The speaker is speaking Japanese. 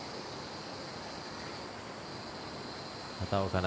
畑岡奈